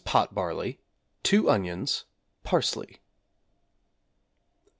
pot barley, 2 onions, parsley.